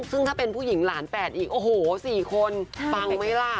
ซึ่งถ้าเป็นผู้หญิงหลาน๘อีกโอ้โห๔คนฟังไหมล่ะ